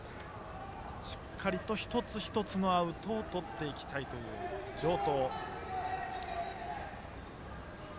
しっかりと一つ一つのアウトをとっていきたい城東。